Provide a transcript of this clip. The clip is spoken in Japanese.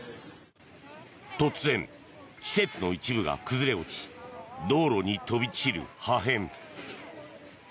突然、施設の一部が崩れ落ち道路に飛び散る破片。